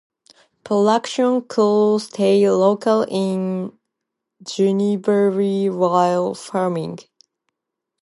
Production crew stayed locally in Jindabyne while filming.